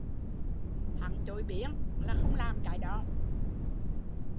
Hán chối biến là không làm cái đó